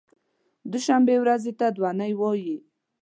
دوشنبې ورځې ته دو نۍ وایی